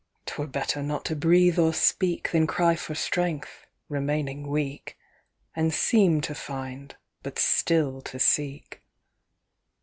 "'Twere better not to breathe or speak, Than cry for strength, remaining weak, And seem to find, but still to seek.